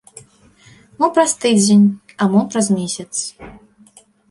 Мо праз тыдзень, а мо праз месяц.